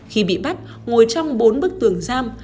khi bị bắt ngồi trong bốn bức tường giam